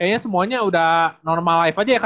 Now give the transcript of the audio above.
kayaknya semuanya udah normal life aja ya kak ya